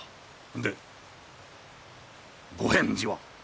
でご返事は？